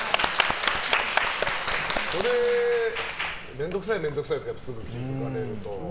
面倒くさいは面倒くさいですかすぐ気付かれると。